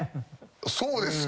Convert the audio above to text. そうですか？